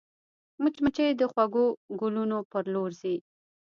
مچمچۍ د خوږو ګلونو پر لور ځي